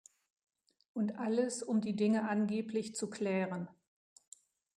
Und alles, um die Dinge angeblich zu klären.